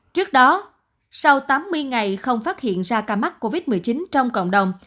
trước đó sau tám mươi ngày không phát hiện ra ca mắc covid một mươi chín trong cộng đồng